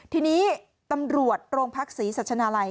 ทีนี้ตำรวจโรงพักศรีสัชนาลัย